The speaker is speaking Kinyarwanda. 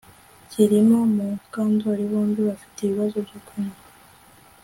Kirima na Mukandoli bombi bafite ibibazo byo kunywa